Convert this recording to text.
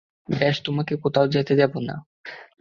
বেশ, তোমাকে কোথাও যেতে দেব না।